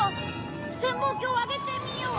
潜望鏡を上げてみよう。